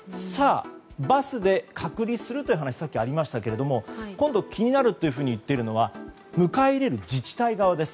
バスで隔離するという話さっきありましたが今度、気になると言っているのは迎え入れる自治体側です。